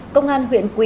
công an huyện quỳ